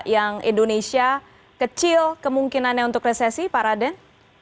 yang indonesia kecil kemungkinannya untuk resesi pak raden